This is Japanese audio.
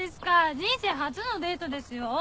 人生初のデートですよ！